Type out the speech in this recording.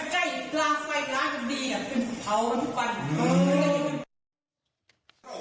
บอกว่าพี่ดาวมันเก็บรถไปที่บ้านเพราะว่ารถมันง่วงนอน